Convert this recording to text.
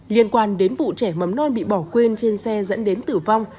liên quan đến vụ trẻ mầm non bị bỏ quên trên xe dẫn đến tử vong